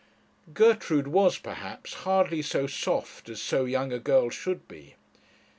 Gertrude was, perhaps, hardly so soft as so young a girl should be.